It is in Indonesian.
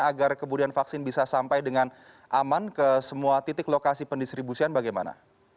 agar kemudian vaksin bisa sampai dengan aman ke semua titik lokasi pendistribusian bagaimana